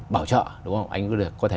bảo trợ đúng không anh có thể